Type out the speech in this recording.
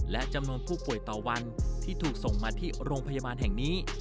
และจำนวนผู้ป่วยต่อวันที่ถูกส่งมาที่โรงพยาบาลแห่งนี้